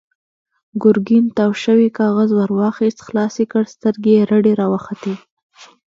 ګرګين تاو شوی کاغذ ور واخيست، خلاص يې کړ، سترګې يې رډې راوختې.